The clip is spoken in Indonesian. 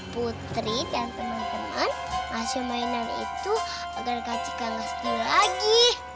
putri dan teman teman hasil mainan itu agar kasihan gak sedih lagi